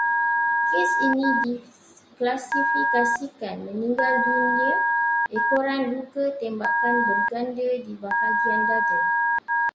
Kes itu diklasifikasikan meninggal dunia ekoran luka tembakan berganda di bahagian dada